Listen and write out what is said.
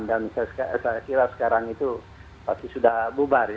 dan saya kira sekarang itu pasti sudah bubar